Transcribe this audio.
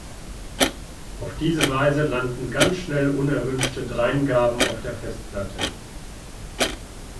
Auf diese Weise landen ganz schnell unerwünschte Dreingaben auf der Festplatte.